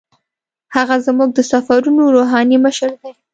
هغه زموږ د سفرونو روحاني مشر دی.